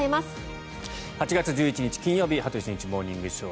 ８月１１日、金曜日「羽鳥慎一モーニングショー」。